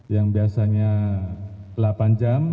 yang biasanya delapan jam